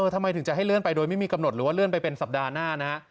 ทำไมถึงจะให้เลื่อนไปโดยไม่มีกำหนดหรือว่าเลื่อนไปเป็นสัปดาห์หน้านะฮะ